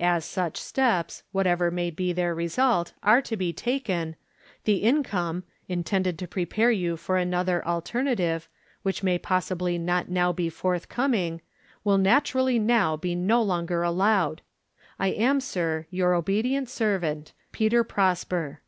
"As such steps, whatever may be their result, are to be taken, the income, intended to prepare you for another alternative, which may possibly not now be forth coming, will naturally now be no longer allowed. I am, sir, your obedient servant, PETER PROSPER."